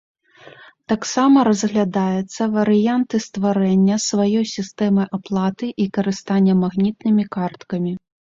Таксама разглядаецца варыянты стварэння сваёй сістэмы аплаты і карыстання магнітнымі карткамі.